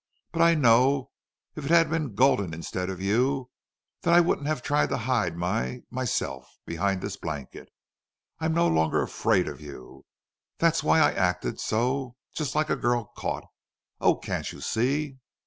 But I know if it had been Gulden instead of you that I wouldn't have tried to hide my myself behind this blanket. I'm no longer AFRAID of you. That's why I acted so just like a girl caught.... Oh! can't you see!"